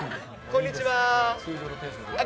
こんにちは。